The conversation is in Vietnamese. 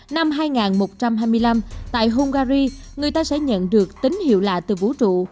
năm hai nghìn một trăm hai mươi năm tại hungary người ta sẽ nhận được tính hiệu lạ từ vũ trụ